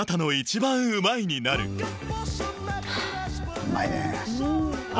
うまいねぇ。